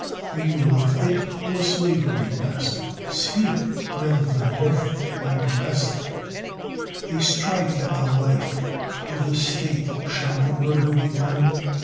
Do you love it or slavery best? Speak! Men of the North and West. They strike at the life of the State: Shall the murder be done?